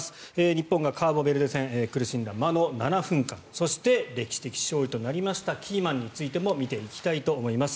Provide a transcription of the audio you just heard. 日本がカーボベルデ戦苦しんだ魔の７分間そして、歴史的勝利となりましたキーマンについても見ていただきたいと思います。